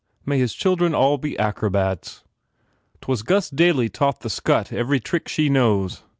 May his children all be acrobats! T was Gus Daly taught the scut every trick he knows.